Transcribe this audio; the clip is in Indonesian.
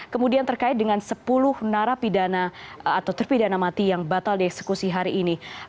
kemudian terkait dengan sepuluh narapidana atau terpidana mati yang batal dieksekusi hari ini